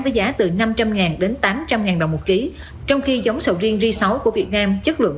với giá từ năm trăm linh đến tám trăm linh đồng một ký trong khi giống sầu riêng sáu của việt nam chất lượng